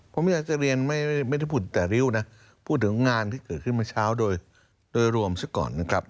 ผมอยากจะเรียนไม่ได้พูดแต่ริ้วนะพูดถึงงานที่เกิดขึ้นเมื่อเช้าโดยรวมซะก่อนนะครับ